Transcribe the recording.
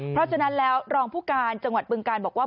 เพราะฉะนั้นแล้วรองผู้การจังหวัดบึงการบอกว่า